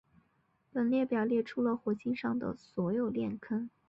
本列表列出了火星上的所有链坑。